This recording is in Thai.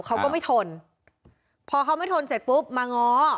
เขาก็ไม่ทนพอเขาไม่ทนเสร็จปุ๊บมาง้อ